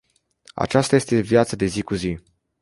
Aceasta este viața de zi cu zi.